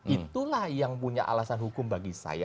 itulah yang punya alasan hukum bagi saya